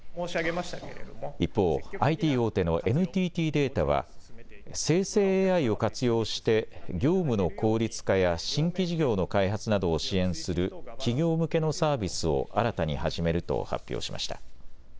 一方、ＩＴ大手のＮＴＴデータは生成ＡＩを活用して業務の効率化や新規事業の開発などを支援する企業向けのサービスを新たに始めると発表しました。